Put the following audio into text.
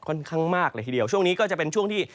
ค่อนข้างมากเลยทีเดียวช่วงนี้ก็จะเป็นช่วงที่